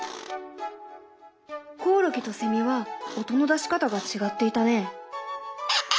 コオロギとセミは音の出し方が違っていたね。